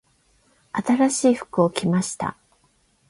新しい服を着ました。